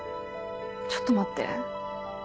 ちょっと待って。